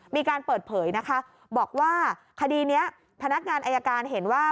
มีการเปิดเผยนะคะบอกว่าคดีนี้พนักงานอายการเห็นว่า